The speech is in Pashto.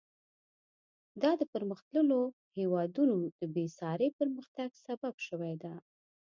دا د پرمختللو هېوادونو د بېساري پرمختګ سبب شوې ده.